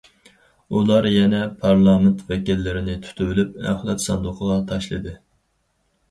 ئۇلار يەنە پارلامېنت ۋەكىللىرىنى تۇتۇۋېلىپ ئەخلەت ساندۇقىغا تاشلىدى.